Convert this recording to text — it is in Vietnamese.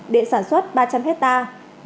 để sản xuất ba trăm linh hectare